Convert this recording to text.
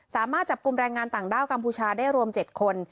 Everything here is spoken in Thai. สามารถจับกลุ่มแรงงานต่างด้าวกัมพูชาได้รวม๗คน